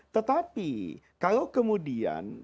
tetapi kalau kemudian